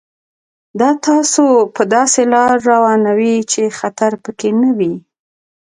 دا تاسو په داسې لار روانوي چې خطر پکې نه وي.